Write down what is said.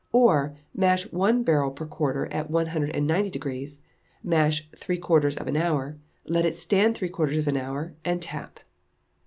Or, mash one barrel per quarter, at 190°; mash three quarters of an hour, let it stand three quarters of an hour, and tap.